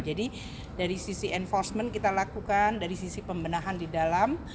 jadi dari sisi enforcement kita lakukan dari sisi pembenahan di dalam